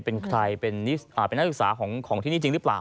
เป็นใครเป็นนักศึกษาของที่นี่จริงหรือเปล่า